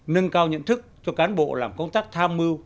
nâng cao nhận thức cho cán bộ làm công tác tham mưu